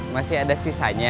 masih ada sisanya